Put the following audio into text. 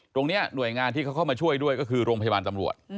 หน่วยงานที่เขาเข้ามาช่วยด้วยก็คือโรงพยาบาลตำรวจ